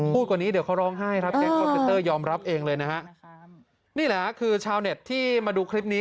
พูดกว่านี้เดี๋ยวเขาร้องไห้ครับยอมรับเองเลยนะฮะนี่แหละคือชาวเน็ตที่มาดูคลิปนี้